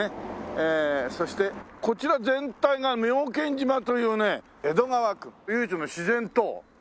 えーそしてこちら全体が妙見島というね江戸川区唯一の自然島という事。